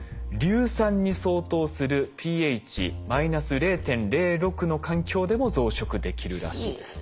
硫酸に相当するｐＨ−０．０６の環境でも増殖できるらしいです。